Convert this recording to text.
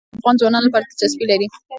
تودوخه د افغان ځوانانو لپاره دلچسپي لري.